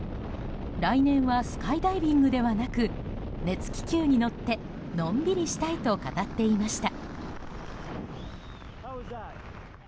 来年はスカイダイビングではなく熱気球に乗ってのんびりしたいと語っていました。